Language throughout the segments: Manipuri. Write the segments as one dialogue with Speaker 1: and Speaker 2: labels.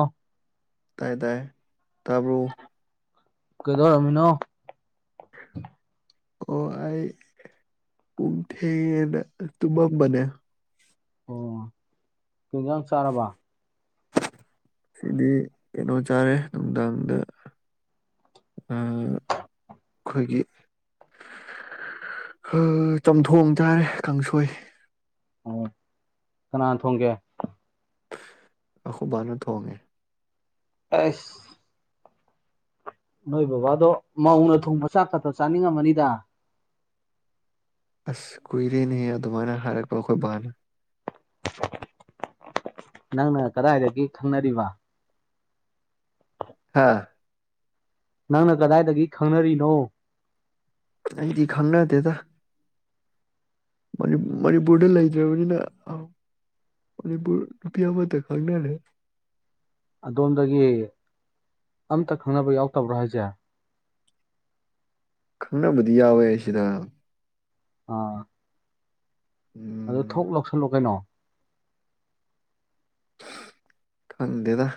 Speaker 1: ꯑ
Speaker 2: ꯇꯥꯏ ꯇꯥꯏ ꯇꯔꯕꯨ
Speaker 1: ꯅ
Speaker 2: ꯑꯣ ꯑꯩ ꯄꯨꯡ ꯊꯦꯡꯉꯦꯅ ꯇꯨꯝꯃꯝꯕꯅꯦ
Speaker 1: ꯑꯣ ꯀꯖꯥꯡ ꯆꯥꯔꯔꯕ
Speaker 2: ꯁꯤꯗꯤ ꯀꯩꯅꯣ ꯆꯥꯔꯦ ꯅꯨꯡꯗꯥꯡꯗ ꯈꯣꯏꯒꯤ ꯆꯝꯊꯣꯡ ꯇꯥꯔꯦ ꯀꯥꯡꯁꯣꯏ
Speaker 1: ꯑꯣ ꯀꯅꯥꯅ ꯊꯣꯡꯒꯦ
Speaker 2: ꯑꯈꯕꯅꯠ ꯍꯣꯡꯒꯦ
Speaker 1: ꯑꯁ ꯅꯣꯏ ꯕꯕꯥꯗꯣ ꯃꯧꯅ ꯊꯣꯡꯕ ꯆꯥꯛ ꯈꯛꯇ ꯆꯥꯅꯤꯡꯉꯝꯃꯅꯤꯗ
Speaker 2: ꯑꯁ ꯀꯏꯔꯅꯤ ꯑ ꯑꯗꯨꯃꯅ ꯍꯥꯔꯛꯄꯈꯣꯏꯕꯅ
Speaker 1: ꯅꯪꯅ ꯀꯗꯥꯏꯗꯒꯤ ꯈꯪꯅꯔꯤꯕ
Speaker 2: ꯍꯥꯥ
Speaker 1: ꯅꯪꯅ ꯀꯗꯥꯏꯗꯒꯤ ꯈꯪꯅꯔꯤꯅꯣ
Speaker 2: ꯑꯩꯗꯤ ꯈꯪꯅꯠꯇꯦꯗ ꯃ ꯃꯅꯤꯄꯨꯔꯗ ꯂꯩꯖꯕꯅꯤꯅ ꯃꯅꯤꯕꯨꯨꯄꯤꯌꯥꯕꯗ ꯈꯥꯛꯅꯅꯦ
Speaker 1: ꯑꯗꯣꯝꯗꯒꯤ ꯑꯝꯇ ꯈꯪꯅꯕ ꯌꯥꯎꯗꯕ꯭ꯔꯥ ꯍꯥꯏꯁꯦ
Speaker 2: ꯈꯅ ꯗꯤꯤ ꯑꯣꯏꯁꯤꯗ
Speaker 1: ꯑ ꯑꯗꯨ
Speaker 2: ꯎꯝ
Speaker 1: ꯊꯣꯛ ꯂꯧꯁꯜꯂꯣ ꯀꯩꯅꯣ
Speaker 2: ꯈꯪꯗ ꯇ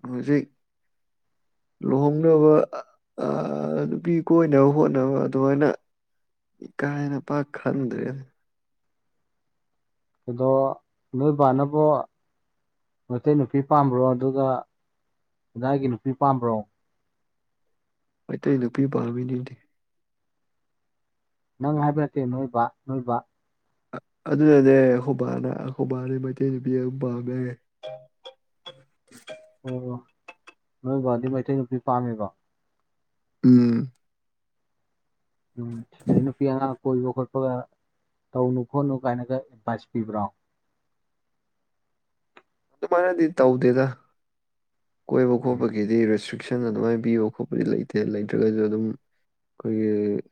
Speaker 2: ꯍꯧꯁꯨ ꯆꯩ ꯂꯨꯍꯣꯡꯅꯕ ꯅꯨꯄꯤ ꯀꯣꯏꯅꯕ ꯍꯣꯠꯅꯕ ꯑꯗꯨꯃꯥꯏꯅ ꯀꯥꯏꯦꯅ ꯄꯥꯛ ꯈꯟꯗ꯭ꯔꯦꯅꯦ
Speaker 1: ꯑꯗꯣ ꯅꯣꯏ ꯥꯟꯅꯧꯕꯣ ꯃꯩꯇꯩ ꯅꯨꯄꯤ ꯄꯥꯝꯕ꯭ꯔꯣ ꯑꯗꯨꯒ ꯏꯗꯥꯏꯒꯤ ꯅꯨꯄꯤ ꯄꯥꯝꯕ꯭ꯔꯣ
Speaker 2: ꯑꯇꯩ ꯅꯨꯄꯤ ꯄꯥꯝꯃꯤꯅꯤꯗꯤ
Speaker 1: ꯅꯪ ꯍꯥꯏꯕ ꯅꯛꯀꯦ ꯅꯣꯏꯕ ꯅꯣꯏꯕ
Speaker 2: ꯑꯗꯨꯅꯅꯦ ꯑꯩꯈꯣꯏꯕꯥꯅ ꯑꯩꯈꯕꯥꯅꯤ ꯃꯩꯇꯩ ꯅꯨꯄꯤ ꯑꯗꯨꯝ ꯄꯥꯝꯃꯦ ꯑ
Speaker 1: ꯑꯣ ꯅꯣꯏ ꯗꯤ ꯃꯩꯇꯩ ꯅꯨꯄꯤ ꯄꯥꯝꯃꯦꯕ
Speaker 2: ꯎꯝ
Speaker 1: ꯎꯝ ꯗꯩꯅꯨꯄꯤꯌꯥ ꯀꯣꯏꯕ ꯈꯣꯠꯄꯒ ꯇꯧꯅꯨ ꯈꯣꯠꯅꯨ ꯀꯥꯏꯅꯒ ꯑꯦꯗꯚꯥꯏꯁ ꯄꯤꯕ꯭ꯔꯣ
Speaker 2: ꯑꯗꯨꯃꯅꯗꯤ ꯇꯧꯗꯦꯗ ꯀꯣꯏꯕ ꯈꯣꯠꯄꯒꯤꯗꯤ ꯔꯦꯁꯇ꯭ꯔꯤꯛ ꯇꯁꯟ ꯑꯗꯨꯃꯥꯏꯅ ꯄꯤꯕ ꯈꯣꯠꯄꯗꯤ ꯂꯩꯇꯦ ꯂꯩꯇ꯭ꯔꯒꯁꯨ ꯑꯗꯨꯝ ꯑꯩꯈꯣꯏꯒꯤ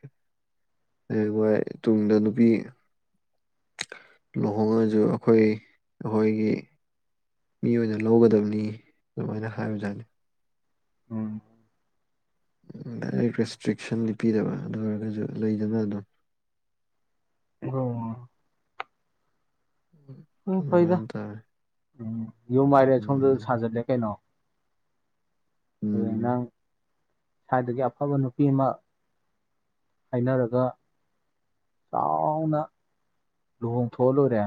Speaker 2: ꯍ ꯍꯏ ꯇꯨꯡꯗ ꯅꯨꯄꯤ ꯂꯨꯍꯣꯡꯉꯁꯨ ꯑꯩꯈꯣꯏ ꯑꯩꯈꯣꯏꯒꯤ ꯃꯤ ꯑꯣꯏꯅ ꯂꯧꯒꯗꯕꯅꯤ ꯑꯗꯨꯃꯥꯏꯅ ꯍꯥꯏꯕꯖꯥꯠꯅꯤ
Speaker 1: ꯎꯝ
Speaker 2: ꯗꯥꯏꯔꯦꯛ ꯔꯦꯁꯇ꯭ꯔꯤꯛꯁꯟ ꯂꯤꯞꯄꯤꯗꯕ ꯑꯗꯨ ꯑꯣꯏꯔꯒꯁꯨ ꯂꯩꯗꯅ ꯑꯗꯨꯝ [inaudible]
Speaker 1: ꯑꯣ ꯑ ꯐꯣꯏꯗ
Speaker 2: ꯑꯗꯨꯃꯥꯏꯅ ꯇꯧꯋꯦ
Speaker 1: ꯌꯨꯝ ꯃꯥꯏꯔꯦ ꯁꯣꯝꯗ
Speaker 2: ꯎꯝ
Speaker 1: ꯁꯥꯖꯠꯂꯦ ꯀꯩꯅꯣ ꯍꯌꯦꯡ
Speaker 2: ꯎꯝ
Speaker 1: ꯅꯪ ꯁ꯭ꯋꯥꯏꯗꯒꯤ ꯑꯐꯕ ꯅꯨꯄꯤ ꯑꯃ ꯍꯥꯏꯅꯔꯒ ꯆꯥꯎꯅ ꯂꯨꯍꯣꯡꯊꯣꯛꯍ ꯂꯣꯏꯔꯦ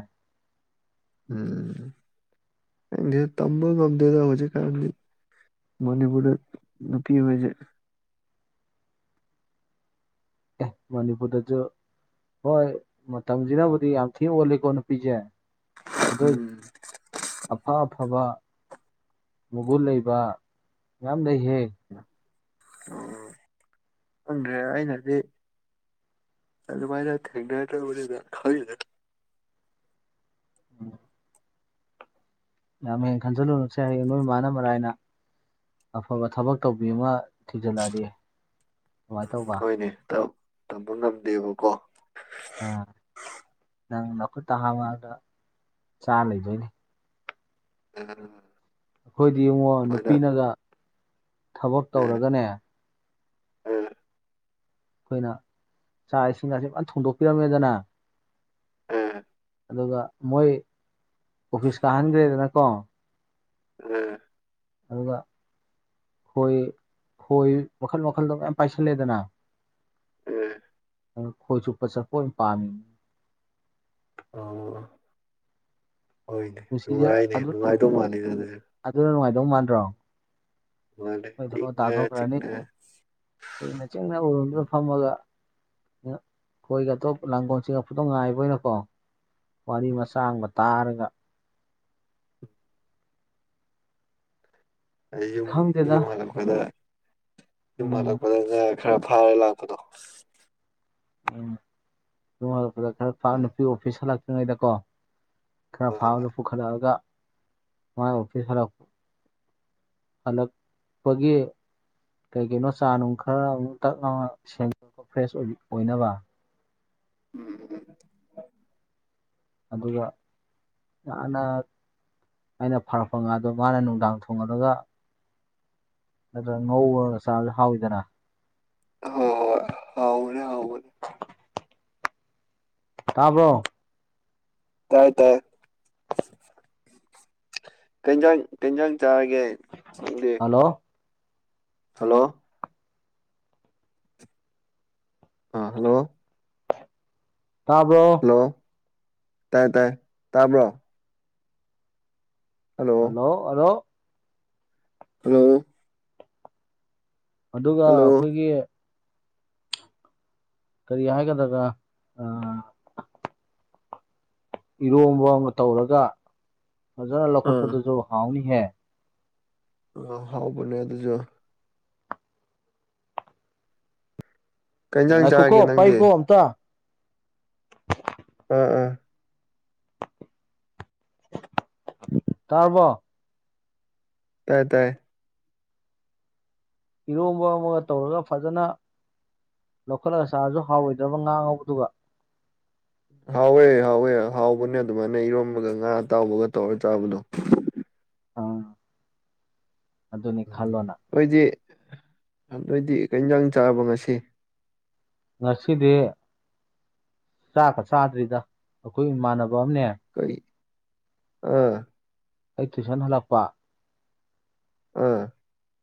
Speaker 2: ꯎꯝ ꯇꯝꯕꯨ ꯉꯗꯗ ꯍꯧꯖꯤꯦ ꯀꯗꯤ ꯃꯅꯤꯕꯨꯨꯔ ꯅꯄꯤ ꯑꯣꯏꯁ
Speaker 1: ꯃꯅꯤꯄꯨꯔꯨꯔꯁꯨ ꯍꯣꯏ ꯃꯇꯝꯁꯤꯅꯕꯨꯗꯤ ꯌꯥꯝ ꯊꯤꯅ ꯑꯣꯜꯂꯤꯀꯣ ꯅꯨꯄꯤꯁꯦ ꯑꯗ
Speaker 2: ꯎꯝ
Speaker 1: ꯑꯄꯥ ꯑꯐꯕ ꯃꯒꯨꯟ ꯂꯩꯕ ꯌꯥꯝ ꯂꯩꯍꯦꯛ
Speaker 2: ꯑꯣ ꯈꯪꯗ꯭ꯔꯦ ꯑꯩꯅꯗꯤ ꯆ ꯃꯥꯥꯏꯔ ꯊꯦꯡꯗꯥ ꯋꯥꯔꯤꯗ ꯈ
Speaker 1: ꯎꯝ ꯌꯥꯝ ꯍꯦꯟꯅ ꯈꯟꯖꯜꯂꯨꯨꯔꯁꯦ ꯍꯌꯦꯡ ꯅꯣꯏ ꯏꯃꯥꯅ ꯃꯔꯥ ꯍꯥꯏꯅ ꯑꯐꯕ ꯊꯕꯛ ꯇꯧꯕꯤ ꯑꯃ ꯊꯤꯖꯤꯜꯂꯔꯤ
Speaker 2: ꯎꯝ ꯍꯣꯏꯅꯦ ꯇꯧꯕ ꯉꯝꯗꯦꯕꯀꯣ
Speaker 1: ꯑ ꯅꯪ ꯂꯐꯨꯠꯇ ꯍꯥꯥꯃꯗ ꯆꯥ ꯂꯩꯗꯣꯏꯅꯦ
Speaker 2: ꯑ
Speaker 1: ꯑꯩꯈꯣꯏꯗꯤ ꯌꯦꯡꯉꯣ ꯅꯨꯄꯤꯅꯒ ꯊꯕꯛ ꯇꯧꯔꯒꯅꯦ
Speaker 2: ꯑ
Speaker 1: ꯑꯩꯈꯣꯏꯅ ꯆꯥꯛ ꯏꯁꯤꯡ ꯑꯁ ꯌꯥꯝ ꯊꯣꯡꯗꯣꯛꯄꯤꯔꯝꯃꯦꯗꯅ
Speaker 2: ꯎꯝ
Speaker 1: ꯑꯗꯨꯒ ꯃꯣꯏ ꯑꯣꯐꯤꯁ ꯀꯥꯍꯟꯗ꯭ꯔꯦꯗꯅꯀꯣ
Speaker 2: ꯎꯝ
Speaker 1: ꯑꯗꯨꯒ ꯍꯣꯏ ꯍꯣꯏ ꯃꯈꯜ ꯃꯈꯜꯗꯣ ꯃꯌꯥꯝ ꯄꯥꯏꯁꯜꯂꯦꯗꯅ
Speaker 2: ꯎꯝ
Speaker 1: ꯈꯣꯏ ꯆꯨꯞꯄꯁ ꯀꯣꯏꯅ ꯄꯥꯝꯃꯤꯅꯦ
Speaker 2: ꯑ ꯍꯣꯏꯅꯦ
Speaker 1: ꯄꯨꯟꯁꯤꯁꯦ
Speaker 2: ꯅꯨꯡꯉꯥꯏꯅꯦ ꯅꯨꯡꯉꯥꯏꯗꯧ ꯃꯥꯜꯂ ꯑꯗꯨꯅꯦ
Speaker 1: ꯣꯡ ꯃꯥꯟ꯭ꯔꯣ
Speaker 2: ꯃꯥꯅꯦ
Speaker 1: ꯃꯣꯏ ꯊꯕ
Speaker 2: ꯏꯪꯅ ꯆꯤꯛꯅ
Speaker 1: ꯇꯥꯊꯣꯛꯈ꯭ꯔꯅꯤꯅ ꯆꯤꯡꯅ ꯎꯔꯗꯨ ꯐꯝꯃꯒ ꯑꯩꯈꯣꯏꯒ ꯑꯇꯣꯞ ꯂꯥꯡꯒꯣꯜꯁꯤꯒ ꯐꯨꯗꯧ ꯉꯥꯏꯏꯕꯣꯏꯅꯀꯣ ꯋꯥꯔꯤ ꯃꯁꯥꯡꯕ ꯇꯥꯔꯒ
Speaker 2: ꯌꯨꯝ
Speaker 1: ꯈꯪꯗꯦꯗ
Speaker 2: ꯌꯨꯝ ꯑ ꯈꯗꯥ ꯌꯨꯝ
Speaker 1: ꯎꯝ
Speaker 2: ꯍꯜꯂꯛꯄꯗ ꯉ ꯈꯔ ꯐꯥꯔꯦ ꯂꯥꯛꯄꯗꯣ
Speaker 1: ꯎꯝꯉꯂꯛꯄꯗ ꯈꯔ ꯅꯨꯄꯤ ꯑꯣꯐꯤꯁ ꯂꯥꯛꯄꯤ ꯆ꯭ꯔꯤꯉꯩꯗꯀꯣ ꯈꯔ
Speaker 2: ꯍꯣꯏ
Speaker 1: ꯐꯥꯕꯗ ꯄꯨꯈꯠꯂꯛꯑꯒ ꯃꯣꯏ ꯑꯣꯐꯤꯁꯤꯁ ꯍꯔ ꯍꯂꯛꯄꯒꯤ ꯀꯩ ꯀꯩꯅꯣ ꯆꯥ ꯅꯨꯡ ꯈꯔ ꯑꯃꯨꯛ ꯇꯛ ꯂꯅ ꯁꯦꯝꯦꯡꯗꯄ ꯐ꯭ꯔꯦꯁ ꯑꯣꯏꯅꯕ
Speaker 2: ꯎꯝ ꯎꯝ
Speaker 1: ꯑꯗꯨꯒꯅ ꯑꯩꯅ ꯐꯔꯛꯄ ꯉꯥꯗ ꯃꯥꯅ ꯅꯨꯡꯗꯥꯡ ꯊꯣꯉꯂꯒ ꯑꯗꯨꯗ꯭ꯔ ꯉꯣ ꯆ ꯍꯥꯎꯗꯅ
Speaker 2: ꯍ ꯍꯥꯎꯅꯦꯦ ꯍꯥꯎꯕꯅꯦ
Speaker 1: ꯇꯥꯔꯕ꯭ꯔꯣ
Speaker 2: ꯇꯥꯏ ꯇꯥꯏ ꯀꯟꯖ ꯀꯟꯖ ꯒꯦꯗꯦ
Speaker 1: ꯍꯜꯂꯣ
Speaker 2: ꯍꯜꯂꯣ ꯑꯥ ꯍꯜꯂꯣ
Speaker 1: ꯇꯥꯕ꯭ꯔꯣ
Speaker 2: ꯍꯜꯂꯣ ꯇꯥꯏ ꯇꯥꯏ ꯇꯥꯕ꯭ꯔꯣ
Speaker 1: ꯍꯜꯂꯣ ꯑꯂꯣ
Speaker 2: ꯍꯜꯂꯣ
Speaker 1: ꯑꯗꯨꯒ
Speaker 2: ꯍꯜꯂꯣ
Speaker 1: ꯑꯩꯈꯣꯏꯒꯤ ꯀꯔꯤ ꯍꯥꯏꯒꯗ꯭ꯔꯒ ꯑ ꯏꯔꯣꯝꯕ ꯑꯃ ꯇꯧꯔꯒ ꯐꯖꯅ
Speaker 2: ꯑꯥ
Speaker 1: ꯂꯧꯈꯠꯄꯗꯨꯁꯨ ꯍꯥꯎꯅꯤꯍꯦ
Speaker 2: ꯑ ꯍꯥꯎꯕꯅꯦ ꯑꯗꯨꯁꯨ ꯀꯩ ꯏꯟꯖꯥꯡ
Speaker 1: ꯑꯈꯣꯏ
Speaker 2: ꯆꯥꯔꯒꯦ
Speaker 1: ꯀꯣꯄꯥꯏ
Speaker 2: ꯅꯪꯗꯤ
Speaker 1: ꯀꯣ ꯑꯝꯇ
Speaker 2: ꯎꯥ ꯎꯥ
Speaker 1: ꯇꯥꯔꯔꯕꯣ
Speaker 2: ꯄꯗꯥ
Speaker 1: ꯏꯔꯣꯝꯕ ꯑꯃꯒ ꯇꯧꯔꯒ ꯐꯖꯅ ꯂꯧꯈꯠꯂꯒ ꯁꯥꯔꯁꯨ ꯍꯥꯎꯔꯣꯏꯗ꯭ꯔꯕ ꯉꯥꯡꯉꯧꯕꯗꯨꯒ
Speaker 2: ꯍꯥꯎꯋꯦ ꯍꯥꯎꯋꯦ ꯍꯥꯎꯕꯅꯦ ꯑꯗꯨꯃꯥꯏꯅ ꯏꯔꯣꯝꯕꯒ ꯉꯥ ꯑꯇꯥꯎꯕꯒ ꯇꯧꯔ ꯆꯥꯕꯗꯣ
Speaker 1: ꯑꯥ ꯑꯗꯨꯅꯤ ꯈꯜꯂꯣꯅ
Speaker 2: ꯑꯗꯨꯏꯗꯤꯟꯖꯥꯡ ꯆꯥꯕ ꯉꯁꯤ
Speaker 1: ꯉꯁꯤꯗꯤ ꯆꯥꯛꯀ ꯆꯥꯗ꯭ꯔꯤꯗ ꯑꯩꯈꯣꯏ ꯏꯃꯥꯟꯅꯕ ꯔꯣꯝꯅꯦ
Speaker 2: ꯀꯩ ꯑꯥ
Speaker 1: ꯑꯥꯏ ꯇꯨ ꯁꯥꯟ ꯍꯂꯄꯥ
Speaker 2: ꯑꯥ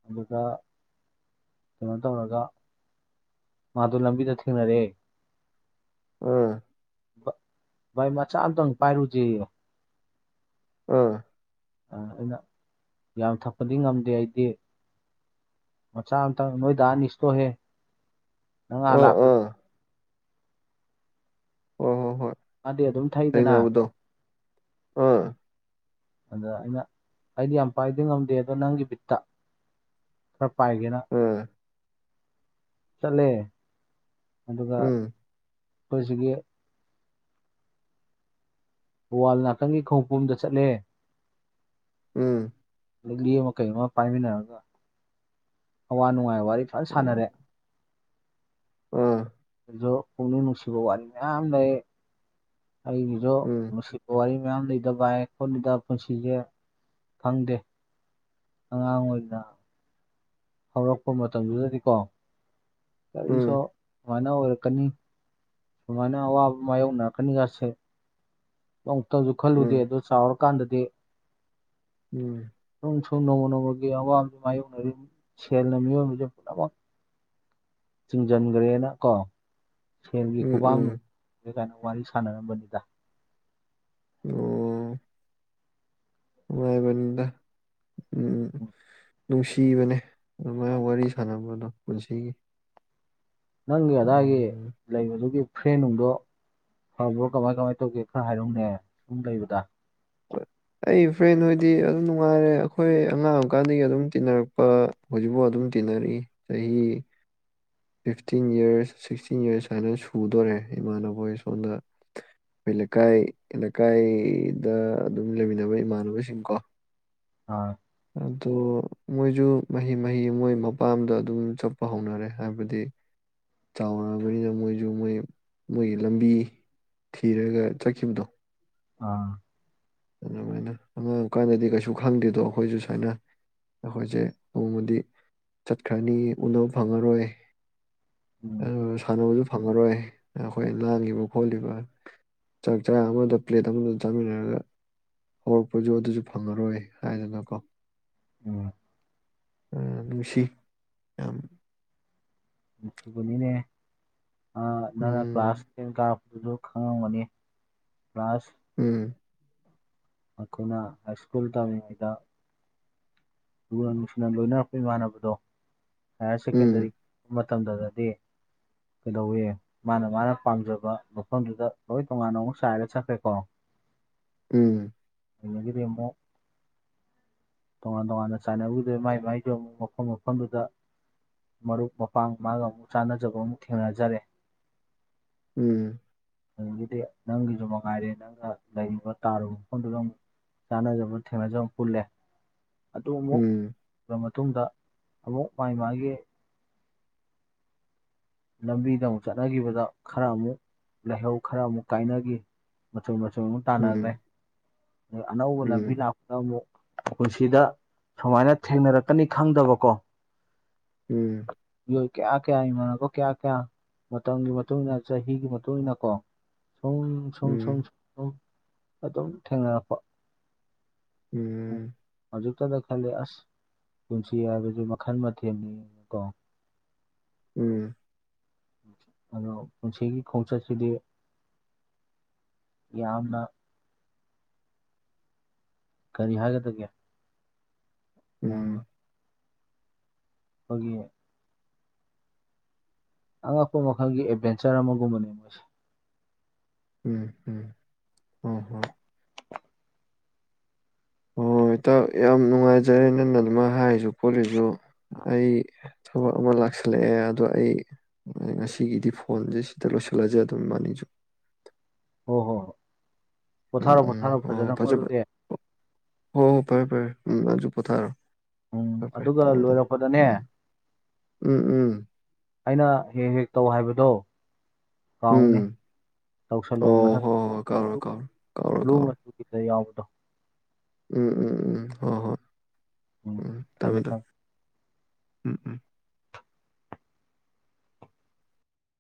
Speaker 1: ꯑꯗꯨꯒ ꯀꯩꯅꯣ ꯇꯧꯔꯒ ꯃꯥꯗꯨ ꯂꯝꯕꯤꯗ ꯊꯦꯡꯅꯔꯦ
Speaker 2: ꯎꯝ
Speaker 1: ꯚꯥꯏ ꯃꯆꯥ ꯑꯝꯇꯪ ꯄꯥꯏꯔꯨꯁꯦ
Speaker 2: ꯑꯥ
Speaker 1: ꯑꯩꯅ ꯌꯥꯝ ꯊꯛꯄꯗꯤ ꯉꯝꯗꯦ ꯑꯩꯗꯤ ꯃꯆꯥ ꯑꯃꯇꯪ ꯅꯣꯏ ꯑꯅꯤꯁꯇꯣꯛꯍꯦ ꯅꯪ ꯉꯍꯥꯟ
Speaker 2: ꯑꯥ
Speaker 1: ꯂꯥꯛꯄ
Speaker 2: ꯑꯥ ꯍ ꯍꯣ ꯍꯣꯏ
Speaker 1: ꯃꯥꯗꯤ ꯑꯗꯨꯝ
Speaker 2: ꯊꯅ
Speaker 1: ꯊꯛꯏꯗꯅ
Speaker 2: ꯑꯗꯣ ꯑꯥ
Speaker 1: ꯑꯗ ꯑꯩꯅ ꯑꯩꯗꯤ ꯌꯥꯝ ꯄꯥꯏꯗꯤ ꯉꯝꯗꯦ ꯑꯗꯣ ꯅꯪꯒꯤ ꯄꯕꯤꯠꯇ ꯈꯔ ꯄꯥꯏꯒꯦꯅ
Speaker 2: ꯑꯥ
Speaker 1: ꯆꯠꯂꯦ ꯑꯗꯨꯒ
Speaker 2: ꯎꯝ
Speaker 1: ꯑꯩꯈꯣꯏꯁꯤꯒꯤ ꯋꯥꯜ ꯅꯥꯀꯟꯒꯤ ꯈꯣꯡꯄꯨꯝꯗ ꯆꯠꯂꯦ
Speaker 2: ꯎꯝ
Speaker 1: ꯂ ꯃ ꯀꯩ ꯄꯥꯏꯝꯃꯤꯅꯔꯒ ꯑꯋꯥ ꯅꯨꯡꯉꯥꯏ ꯋꯥꯔꯤ ꯐꯖ ꯁꯥꯟꯅꯔꯦ
Speaker 2: ꯑꯥ
Speaker 1: ꯀꯣꯡꯅꯤ ꯅꯨꯡꯁꯤꯕꯧ ꯂꯩ ꯑꯩꯒꯤꯁꯨꯣ
Speaker 2: ꯎꯝ
Speaker 1: ꯅꯨꯡꯁꯤꯕ ꯋꯥꯔꯤ ꯃꯌꯥꯝ ꯂꯩꯇꯕ ꯍꯥꯏ ꯈꯣꯠꯂꯤꯗꯕ ꯄꯨꯟꯁꯤꯁꯦ ꯐꯪꯗꯦ ꯑꯉꯗ ꯍꯧꯔꯛꯄ ꯃꯇꯝꯗꯨꯗꯗꯤꯀꯣ
Speaker 2: ꯎꯝ
Speaker 1: ꯀꯏꯁꯨ ꯁꯨꯃꯥꯏꯅ ꯑꯣꯏꯔꯛꯀꯅꯤ ꯁꯨꯃꯥꯏꯅ ꯑꯋꯥꯕ ꯃꯥꯏꯌꯣꯛꯅꯔꯛꯀꯅꯤꯒꯁꯦ ꯑꯃꯨꯛꯇꯁꯨ ꯈꯜꯂꯨꯗꯦ
Speaker 2: ꯎꯝ
Speaker 1: ꯑꯗꯨ ꯆꯥꯎꯔꯀꯥꯟꯗꯗꯤ
Speaker 2: ꯎꯝ
Speaker 1: ꯁ ꯅꯣ ꯅꯣꯌꯃꯤ ꯐꯕ ꯆꯤꯡꯖꯣꯟꯒꯔꯦꯅ ꯀꯣ
Speaker 2: ꯎꯝ
Speaker 1: ꯁꯦꯜꯒꯤ
Speaker 2: ꯎꯝ
Speaker 1: ꯀꯧꯕꯕꯀꯅ ꯋꯥꯔꯤ ꯁꯥꯟꯅꯅꯕꯅꯤꯗ
Speaker 2: ꯑꯣ ꯅꯨꯡꯉꯥꯏꯕꯅꯤꯗ
Speaker 1: ꯎꯝ
Speaker 2: ꯅꯨꯡꯁꯤꯕꯅꯦ ꯑꯗꯨꯃꯥꯏꯅ ꯋꯥꯔꯤ ꯁꯥꯟꯅꯕꯗꯣ ꯄꯨꯟꯁꯤꯒꯤ
Speaker 1: ꯅꯪꯒꯤ ꯑꯗꯥꯏꯒꯤ
Speaker 2: ꯎꯝ
Speaker 1: ꯂꯩꯕꯗꯨꯒꯤ ꯐ꯭ꯔꯦꯟꯅꯨꯡꯗꯣ ꯐꯕ꯭ꯔꯣ ꯀꯃꯥꯏ ꯀꯃꯥꯏ ꯇꯧꯒꯦ ꯈꯔ ꯍꯥꯏꯔꯧꯅꯦ ꯁꯒꯨꯝ ꯂꯩꯕꯗ
Speaker 2: ꯑꯩ ꯐ꯭ꯔꯦꯟ ꯍꯣꯏꯗꯤ ꯑꯗꯨꯝ ꯅꯨꯡꯉꯥꯏꯔꯦ ꯑꯩꯈꯣꯏ ꯑꯉꯥꯡ ꯑꯃꯀꯥꯟꯗꯒꯤ ꯑꯗꯨꯝ ꯇꯤꯟꯅꯔꯛꯄ ꯍꯧꯖꯤꯛꯐꯥꯎ ꯑꯗꯨꯝ ꯇꯟꯅ ꯔꯤ ꯆꯍꯤ ꯆꯍꯤ ꯐꯤꯐꯇꯤꯟ ꯌꯔꯁ ꯁꯤꯛꯁꯇꯤꯟ ꯌꯔꯁ ꯍꯥꯏꯅ ꯁꯨꯗꯣꯔꯦ ꯏꯃꯥꯟꯅꯕꯣꯏ ꯁꯣꯝꯗ ꯑꯩꯈꯣꯏ ꯂꯩꯀꯥꯏ ꯂꯩꯀꯥꯏꯗ ꯑꯗꯨꯝ ꯂꯩꯃꯤꯟꯅꯕ ꯏꯃꯥꯟꯅꯕꯁꯤꯡ ꯀꯣ
Speaker 1: ꯑꯥ
Speaker 2: ꯑꯣ ꯃꯣꯏꯁꯨ ꯃꯍꯤ ꯃꯍꯤ ꯃꯣꯏ ꯃꯄꯥꯝꯗ ꯑꯗꯨꯝ ꯆꯠꯄ ꯍꯧꯅꯔꯦ ꯍꯥꯏꯕꯗꯤ ꯆꯥꯎꯔꯕꯅꯤꯅ ꯃꯣꯏꯁꯨ ꯃꯣꯏ ꯃꯣꯏꯒꯤ ꯂꯝꯕꯤ ꯊꯤꯔꯒ ꯆꯠꯈꯤꯕꯗꯣ
Speaker 1: ꯑꯥ
Speaker 2: ꯑꯗꯨꯃꯥꯏꯅ ꯑꯉꯥꯡꯀꯥꯟꯗꯗꯤ ꯀꯩꯁꯨ ꯈꯪꯗꯦꯗꯣ ꯑꯩꯈꯣꯏꯁꯨ ꯁꯨꯃꯥꯏꯅ ꯑꯩꯈꯣꯏꯁꯦ ꯅꯣꯡꯃꯗꯤ ꯆꯠꯈ꯭ꯔꯅꯤ ꯎꯅꯕ ꯐꯪꯉꯔꯣꯏ
Speaker 1: ꯎꯝ
Speaker 2: ꯑꯗꯨ ꯁꯥꯟꯅꯕꯁꯨ ꯐꯪꯉꯔꯣꯏ ꯑꯩꯈꯣꯏ ꯉꯥꯡꯉꯤꯕ ꯈꯣꯠꯂꯤꯕ ꯆꯥꯛ ꯆꯥ ꯑꯃꯗ ꯄ꯭ꯂꯦꯠ ꯑꯃꯗ ꯆꯥꯃꯤꯟꯅꯔꯒ ꯍꯧꯔꯛꯄꯁꯨ ꯑꯗꯨꯁꯨ ꯐꯪꯉꯔꯣꯏ ꯍꯥꯏꯗꯅꯀꯣ
Speaker 1: ꯎꯝ
Speaker 2: ꯅꯨꯡꯁꯤ ꯑ
Speaker 1: ꯁꯨꯒꯅꯤꯅꯦ ꯅꯪꯅ ꯀ꯭ꯂꯥꯁ
Speaker 2: ꯎꯝ
Speaker 1: ꯇꯦꯟ ꯀꯥꯔꯛꯄꯗꯨꯁꯨ ꯈꯪꯉꯝꯒꯅꯤ ꯀ꯭ꯂꯥꯁ
Speaker 2: ꯎꯝ
Speaker 1: ꯑꯩꯈꯣꯏꯅ ꯍꯥꯏ ꯁꯀꯨꯜ ꯇꯃꯤꯗ ꯂꯨ ꯅꯨꯡꯁꯤꯅ ꯂꯣꯏꯅꯔꯛꯄ ꯏꯃꯥꯟꯅꯕꯗꯣ ꯍꯥꯏꯌꯔ ꯁꯦꯀꯦꯟꯗꯔꯤ
Speaker 2: ꯎꯝ
Speaker 1: ꯇꯝꯗꯗꯗꯤ ꯀꯩꯗꯧꯋꯦ ꯃꯥꯅ ꯃꯥꯅ ꯄꯥꯝꯖꯕ ꯃꯐꯝꯗꯨꯗ ꯂꯣꯏ ꯇꯣꯉꯥꯟꯅ ꯑꯃꯨꯛ ꯆꯥꯏꯔ ꯆꯠꯈ꯭ꯔꯦꯀꯣ
Speaker 2: ꯎꯝ
Speaker 1: ꯌꯦꯗꯤ ꯄꯦꯝꯃꯣ ꯇꯣꯉꯥꯟ ꯇꯣꯉꯥꯟ ꯆ ꯁꯥꯟꯅꯕꯗꯨ ꯃꯥꯏ ꯃꯥꯏꯗꯨꯣ ꯑꯃꯨꯛ ꯃꯐꯝ ꯃꯐꯝꯗꯨꯗ ꯃꯔꯨꯞ ꯃꯄꯥꯡ ꯃꯥꯒ ꯑꯃꯨꯛ ꯆꯥꯟꯅꯖꯕ ꯑꯃꯨꯛ ꯊꯦꯡꯅꯖꯔꯦ
Speaker 2: ꯎꯝ
Speaker 1: ꯑꯗꯒꯤꯗꯤ ꯅꯪꯒꯤꯁꯨ ꯃꯉꯥꯏꯔꯦ ꯅꯪꯅ ꯂꯩꯔꯤꯕ ꯇꯥꯔꯨꯕ ꯃꯐꯝꯗꯨꯗ ꯆꯥꯅꯖꯕ ꯊꯦꯡꯅꯖꯕ ꯄꯨꯜꯂꯦ ꯑꯗꯨ
Speaker 2: ꯎꯝ
Speaker 1: ꯑꯃꯨꯛꯕ ꯃꯇꯨꯡꯗ ꯑꯃꯨꯛ ꯃꯥꯥꯏ ꯃꯥꯒꯤ ꯂꯝꯕꯤꯗ ꯑꯃꯨꯛ ꯆꯠꯅꯈꯤꯕꯗ ꯈꯔ ꯑꯃꯨꯛ ꯂꯥꯏꯍꯧ ꯈꯔ ꯑꯃꯨꯛ ꯀꯥꯏꯅꯈꯤ ꯃꯆꯨ ꯃ ꯁꯣꯏ ꯑꯃꯨꯛ ꯇꯥꯟꯅꯈ꯭ꯔꯦ
Speaker 2: ꯎꯝ
Speaker 1: ꯑ ꯑꯅꯧꯕ ꯂꯝꯕꯤ
Speaker 2: ꯎꯝ
Speaker 1: ꯂꯥꯛꯄꯗ ꯑꯃꯨꯛ ꯄꯨꯟꯁꯤꯗ ꯁꯨꯃꯥꯏꯅ ꯊꯦꯡꯅꯔꯛꯀꯅꯤ ꯈꯪꯗꯕꯀꯣ
Speaker 2: ꯎꯝ
Speaker 1: ꯃꯤꯑꯣꯏ ꯀꯌꯥ ꯀꯌꯥ ꯏꯃꯥꯟꯅꯅꯕꯣ ꯀꯌꯥ ꯀꯌꯥ ꯃꯇꯝꯒꯤ ꯃꯇꯨꯡ ꯏꯟꯅ ꯆꯍꯤꯒꯤ ꯃꯇꯨꯡ ꯏꯟꯅ ꯀꯣ ꯁꯨꯝ
Speaker 2: ꯎꯝ
Speaker 1: ꯁꯨꯝ ꯁꯨꯝ
Speaker 2: ꯎꯝ
Speaker 1: ꯁꯨꯝ ꯁꯨꯝ ꯑꯗꯨꯝ ꯊꯦꯡꯅꯔꯛꯄ ꯍꯧꯖꯛꯇꯗ ꯈꯦ ꯑꯁ ꯄꯨꯟꯁꯤ ꯍꯥꯏꯕꯁꯤ ꯃꯈꯜ ꯃꯊꯦꯜꯅꯤꯀꯣ
Speaker 2: ꯎꯝ
Speaker 1: ꯑꯗꯣ ꯄꯨꯟꯁꯤꯒꯤ ꯈꯣꯡꯆꯠꯁꯤꯗꯤ ꯌꯥꯝꯅ ꯀꯔꯤ ꯍꯥꯏꯒꯗꯒꯦ ꯍꯣꯏ
Speaker 2: ꯎꯝ
Speaker 1: ꯑꯩꯈꯣꯏꯒꯤ ꯑꯉꯛꯄ ꯃꯈꯜꯒꯤ ꯑꯦꯠꯚꯦꯟꯆꯔ ꯑꯃꯒꯨꯝꯕꯅꯦ ꯃꯣꯏꯁꯦ
Speaker 2: ꯎꯝ ꯎꯝ ꯍ ꯍꯣ ꯍꯣꯏ ꯏꯇꯥꯎ ꯌꯥꯝ ꯅꯨꯡꯉꯥꯏꯖꯔꯦ ꯅꯪꯅ ꯑꯗꯨꯃꯥꯏ ꯍꯥꯏꯔꯤꯁꯨ ꯈꯣꯠꯂꯤꯁꯨ ꯑꯩ ꯊꯕꯛ ꯑꯃ ꯂꯥꯛꯁꯜꯂꯛꯑꯦ ꯑꯗꯣ ꯑꯩ ꯉꯁꯤꯒꯤꯗꯤ ꯐꯣꯟꯁꯦ ꯁꯤꯗ ꯂꯣꯏꯁꯤꯜꯂꯁꯦ ꯑꯗꯨꯝ ꯏꯕꯥꯅꯤꯁꯨ [unintelligible]
Speaker 1: ꯍꯣ ꯍꯣꯏ ꯄꯣꯊꯥꯔꯣ
Speaker 2: ꯎꯝ
Speaker 1: ꯄꯣꯊꯥꯔꯣ
Speaker 2: ꯎꯝ
Speaker 1: ꯐꯖꯅꯀꯣ
Speaker 2: ꯐꯖꯨ
Speaker 1: ꯑꯗꯨꯗꯤ
Speaker 2: ꯍꯣ ꯍꯣ ꯐꯔꯦ ꯐꯔꯦ ꯎꯝ ꯅꯪꯁꯨ ꯄꯣꯠꯊꯥꯔꯣ
Speaker 1: ꯎꯝ ꯑꯗꯨꯒ ꯂꯣꯏꯔꯛꯄꯗꯅꯦ
Speaker 2: ꯎꯝ ꯎꯝ
Speaker 1: ꯑꯩꯅ ꯍꯦꯛ ꯍꯦꯛ ꯇꯧ ꯍꯥꯏꯕꯗꯣ ꯀꯥꯎꯅꯤ
Speaker 2: ꯎꯝ
Speaker 1: ꯇꯧꯁꯜꯂꯣ
Speaker 2: ꯑꯣ
Speaker 1: ꯃꯊꯛ
Speaker 2: ꯍꯣꯏ ꯍꯣꯏ ꯀꯥꯎꯔꯣꯏ ꯀꯥꯎꯔꯣꯏ ꯀꯥꯎꯔꯣꯏ
Speaker 1: ꯕ꯭ꯂꯨ
Speaker 2: ꯀꯥꯎꯔꯣꯏ
Speaker 1: ꯃꯆꯨꯒꯤꯗ ꯌꯥꯎꯕꯗꯣ
Speaker 2: ꯎꯝ ꯎꯝ ꯎꯝ ꯍꯣ ꯍꯣꯏ
Speaker 1: ꯎꯝ ꯊꯝꯃꯦ ꯊꯝꯃꯦ
Speaker 2: ꯎꯝ ꯎꯝ